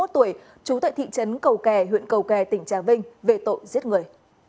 ba mươi một tuổi trú tại thị trấn cầu kè huyện cầu kè tỉnh trà vinh về tội giết người